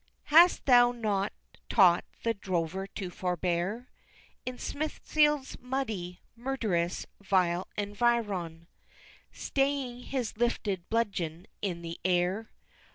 III. Hast thou not taught the Drover to forbear, In Smithfield's muddy, murderous, vile environ, Staying his lifted bludgeon in the air!